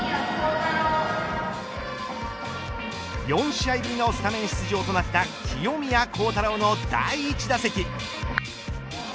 ４試合ぶりのスタメン出場となった清宮幸太郎の第１打席。